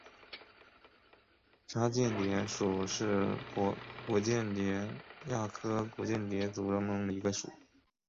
沙蚬蝶属是古蚬蝶亚科古蚬蝶族中的一个属。